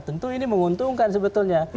tentu ini menguntungkan sebetulnya